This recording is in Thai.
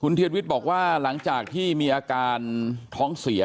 เทียนวิทย์บอกว่าหลังจากที่มีอาการท้องเสีย